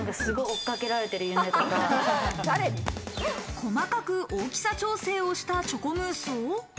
細かく大きさ調整をしたチョコムースを。